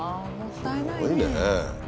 すごいね。